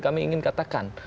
kami ingin katakan